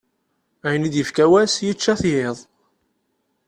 Ayen i d-ifka wass yečča-t yiḍ.